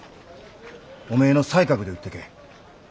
おめえの才覚で売ってけえ。